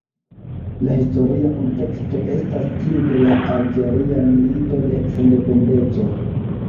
La historia kunteksto estas tiu de la Alĝeria Milito de Sendependeco.